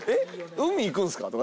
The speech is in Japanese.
海行くんすか？」とか。